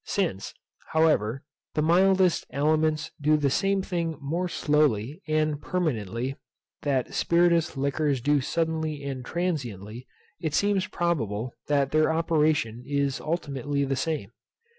Since, however, the mildest aliments do the same thing more slowly and permanently, that spirituous liquors do suddenly and transiently, it seems probable that their operation is ultimately the same.